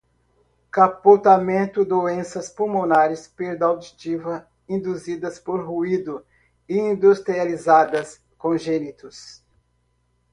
capotamento, doenças pulmonares, perda auditiva induzida por ruído, industrializadas, congênitos